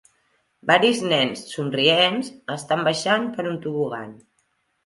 Varis nens somrients estan baixant per un tobogan.